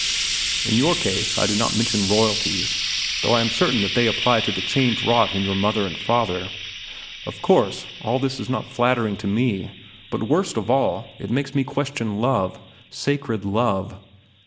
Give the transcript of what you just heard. In your case I do not mention royalties, though I am certain that they apply to the change wrought in your mother and father. Of course, all this is not flattering to me. But worst of all, it makes me question love, sacred love.